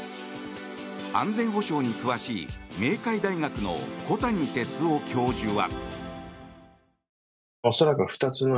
安全保障に詳しい明海大学の小谷哲男教授は。